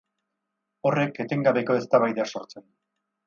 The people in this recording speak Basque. Horrek etengabeko eztabaida sortzen du.